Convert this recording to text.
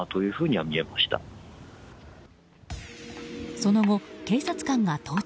その後、警察官が到着。